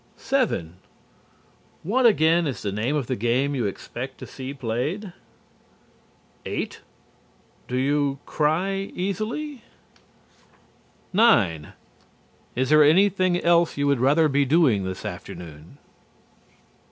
7. What again is the name of the game you expect to see played? 8. Do you cry easily? 9. Is there anything else you would rather be doing this afternoon?